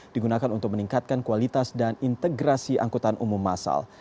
digunakan untuk meningkatkan kualitas dan integrasi angkutan umum masal